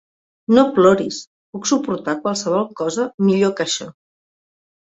No ploris. Puc suportar qualsevol cosa millor que això.